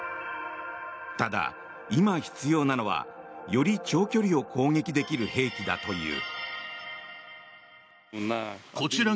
ただ、今必要なのはより長距離を攻撃できる兵器だという。